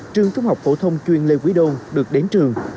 trường trung học phổ thông chuyên lê quý đô được đến trường